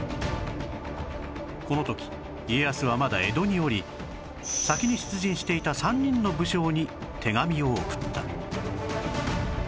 この時家康はまだ江戸におり先に出陣していた３人の武将に手紙を送った